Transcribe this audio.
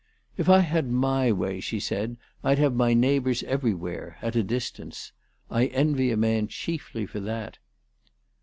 " If I had my way," she said, "I'd have my neighbours every where, at any distance. I envy a man chiefly for that."